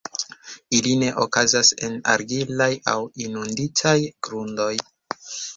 Ili ne okazas en argilaj aŭ inunditaj grundoj.